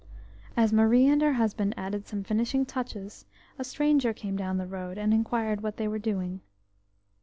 As Marie and her husband added some finishing touches, a stranger came down the road, and inquired what they were doing.